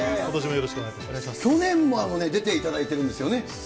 去年も出ていただいてるんですよね。